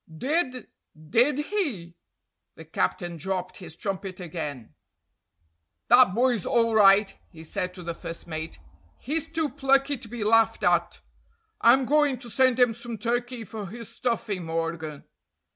"Did, did he?" The captain dropped his trumpet again. "That boy's all right," he said to the first mate. "He's too plucky to be laughed at. I'm going to send him some turkey for his stuffing, Morgan.